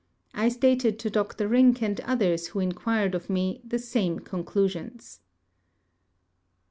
I stated to Dr Rink and others who inquired of me the same conclusions.